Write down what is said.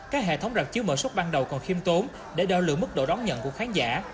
các hệ thống rạp chiếu mở sốc ban đầu còn khiêm tốn để đo lượng mức độ đón nhận của khán giả